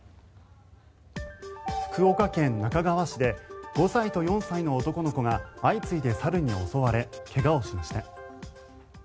福岡県那珂川市で５歳と４歳の男の子が相次いで猿に襲われ怪我をしました。